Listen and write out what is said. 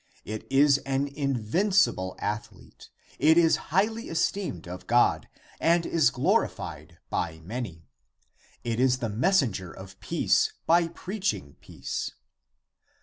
It is an invincible athlete, it is highly esteemed of God and ACTS OF THOMAS 297 is glorijEied by many. It is the messenger of peace, by preaching peace.